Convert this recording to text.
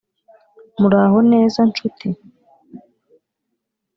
muraho neza nshuti,